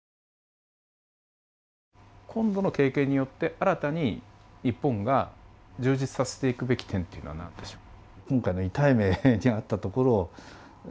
今度の経験によって新たに日本が充実させていくべき点っていうのは何でしょう？